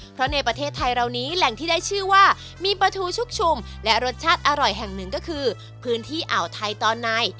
เพราะในประเทศไทยเรานี้แหล่งที่ได้ชื่อว่ามีปลาทูชุกชุมและรสชาติอร่อยแห่งหนึ่งก็คือพื้นที่อ่าวไทยตอนใน